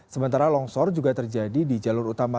sementara longsor juga terjadi di jalur utama